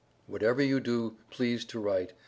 Whatever you do please to write.